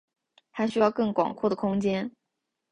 他需要更广阔的空间。